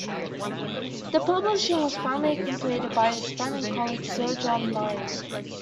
The publishing was finally completed by his friend and colleague Sir John Murray.